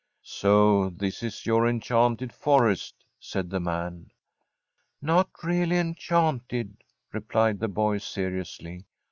'So this is your enchanted forest?' said the man. 'Not really enchanted,' replied the boy seriously.